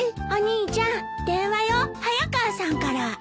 お兄ちゃん電話よ早川さんから。